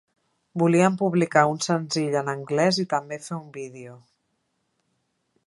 Volien publicar un senzill en anglès i també fer un vídeo.